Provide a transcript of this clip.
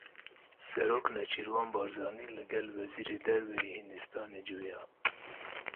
Serok Nêçîrvan Barzanî li gel Wezîrê Derve yê Hîndistanê civiya.